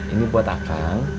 ini buat akang